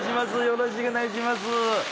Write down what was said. よろしくお願いします。